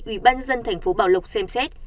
ủy ban dân thành phố bảo lộc xem xét